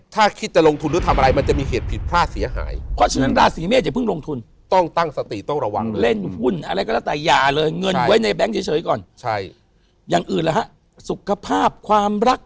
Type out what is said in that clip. อย่างอื่นล่ะฮะสุขภาพความรัก